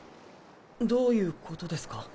どういうことですか？